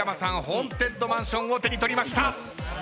ホーンテッドマンションを手に取りました。